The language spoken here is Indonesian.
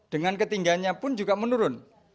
dengan ketinggiannya pun juga menurun